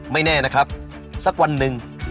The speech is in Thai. ไม่แน่นะครับสักวันหนึ่ง